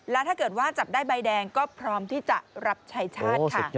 และถ้าเกิดว่าจับได้ใบแดงก็พร้อมที่จะรับใช้ชาติค่ะ